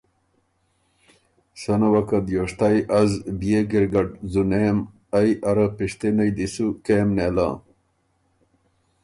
سنه وه که دیوشتئ از بيې ګِرګډ ځُونېم ائ اره پِشتِنئ دی سو کېم نېله۔